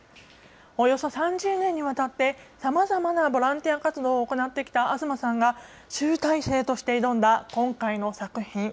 およそ３０年にわたって、さまざまなボランティア活動を行ってきた東さんが、集大成として挑んだ今回の作品。